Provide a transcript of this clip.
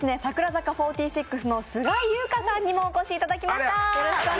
櫻坂４６の菅井友香さんにもお越しいただきました。